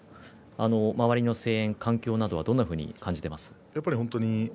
周りの声援、環境などどんなふうに感じています。